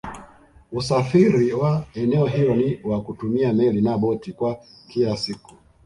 usafiri wa eneo hilo ni wa kutumia Meli na boti kwa kila siku